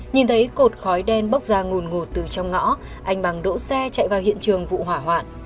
nhìn thấy cột khói đen bốc ra nguồn ngột từ trong ngõ anh bằng đỗ xe chạy vào hiện trường vụ hỏa hoạn